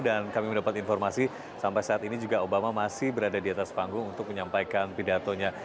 dan kami mendapat informasi sampai saat ini juga obama masih berada di atas panggung untuk menyampaikan pidatonya